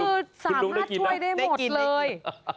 คือสามารถช่วยได้หมดเลย